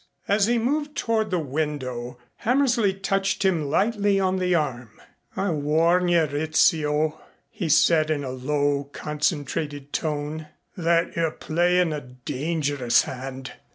As he moved toward the window Hammersley touched him lightly on the arm. "I warn you, Rizzio," he said in a low concentrated tone, "that you're playing a dangerous hand.